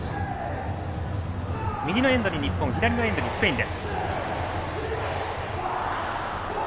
右のエンドに日本左のエンドにスペイン。